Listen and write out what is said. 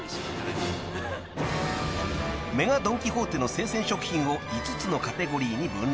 ［ＭＥＧＡドン・キホーテの生鮮食品を５つのカテゴリーに分類］